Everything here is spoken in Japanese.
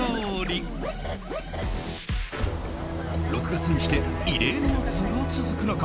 ６月にして異例の暑さが続く中